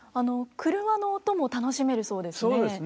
廓の音も楽しめるそうですね。